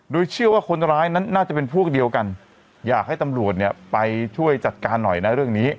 โดยเชื่อว่าคนร้ายนั้นน่าจะเป็นพวกเดียวกันอยากให้ตำรวจเนี่ยไปช่วยจัดการหน่อยนะเรื่องนี้